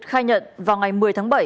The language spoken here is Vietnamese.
khai nhận vào ngày một mươi tháng bảy